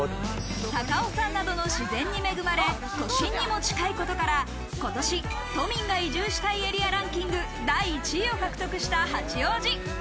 高尾山などの自然に恵まれ、都心にも近いことから、今年、都民が移住したいエリアランキング第１位を獲得した八王子。